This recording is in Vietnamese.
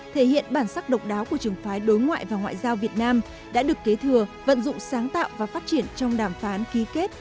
thể hiện bản sắc độc đáo của trường phái đối ngoại và ngoại giao việt nam đã được kế thừa vận dụng sáng tạo và phát triển trong đàm phán ký kết